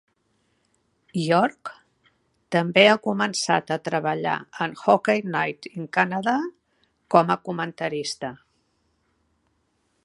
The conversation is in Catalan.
York també ha començat a treballar en Hockey Night in Canadà com a comentarista.